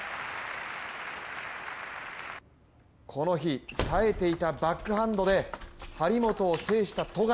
この日、さえていたバックハンドで張本を制した戸上。